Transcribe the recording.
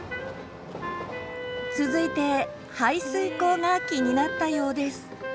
続いて排水溝が気になったようです。